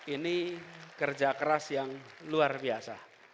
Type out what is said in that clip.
ini kerja keras yang luar biasa